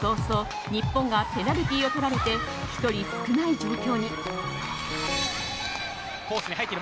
早々日本がペナルティーをとられて１人少ない状況に。